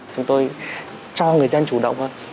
chúng tôi cho người dân chủ động hơn